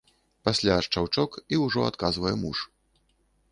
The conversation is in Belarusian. Пасля шчаўчок, і ўжо адказвае муж.